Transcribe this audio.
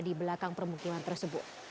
di belakang permukiman tersebut